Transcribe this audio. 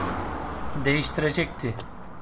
Değiştirecekti.